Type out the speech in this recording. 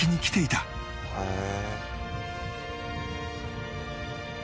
「へえ」